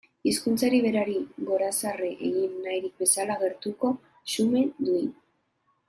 Hizkuntzari berari gorazarre egin nahirik bezala, gertuko, xume, duin.